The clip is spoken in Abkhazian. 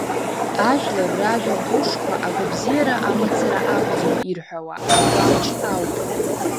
Ажәлар ражәа ҟәышқәа агәабзиара амацара акәӡам ирҳәауа агәамч ауп.